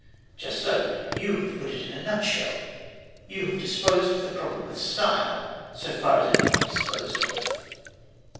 Just so. You have put it in a nutshell. You have disposed of the problem of style so far as it can be disposed of.